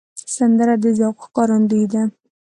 سندره د ذوق ښکارندوی ده